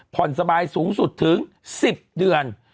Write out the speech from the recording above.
ผ่อนสบายสูงสุดถึง๑๐เดือน